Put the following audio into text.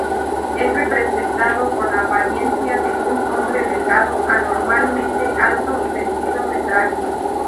Es representado con apariencia de un hombre delgado, anormalmente alto y vestido de traje.